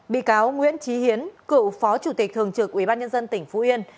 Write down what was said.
bị cáo nguyễn trí hiến cựu phó chủ tịch thường trực ubnd tỉnh phú yên